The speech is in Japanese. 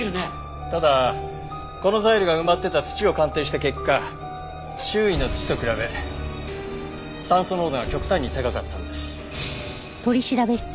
ただこのザイルが埋まってた土を鑑定した結果周囲の土と比べ酸素濃度が極端に高かったんです。